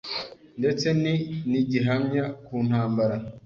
ndetse ni n'igihamya ku ntambara